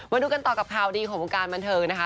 มาดูกันต่อกับข่าวดีของวงการบันเทิงนะคะ